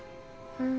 うん。